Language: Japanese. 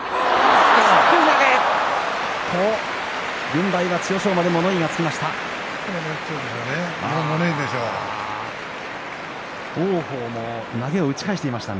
軍配は千代翔馬物言いがつきました。